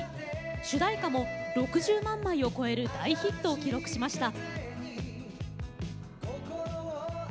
主題歌も６０万枚を超える大ヒットを記録しました。